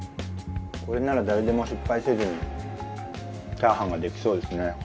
これなら誰でも失敗せずにチャーハンができそうですね